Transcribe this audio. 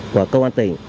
của công an tỉnh